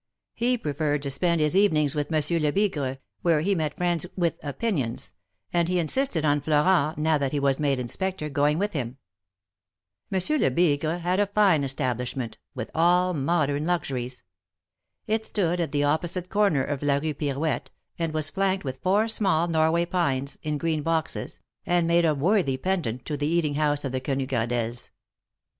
He preferred to spend his evenings with Monsieur Lebigre, where he met friends 'Gvith opinions, and he insisted on Florent, now that he was made Inspector, going with him. Monsieur Lebigre had a fine establishment, with all modern luxuries. It stood at the opposite corner of la Rue Pirouette, and was flanked with four small Norway pines, in green boxes, and made a worthy pendant to the eating house of the Quenu Gradelles.